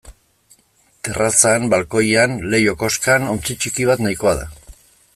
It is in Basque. Terrazan, balkoian, leiho-koskan ontzi ttiki bat nahikoa da.